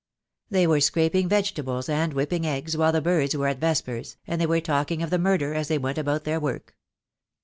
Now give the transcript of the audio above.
They were scrap ing vegetables and whipping eggs while the birds were at vespers, and they were talking of the murder as they went about their work.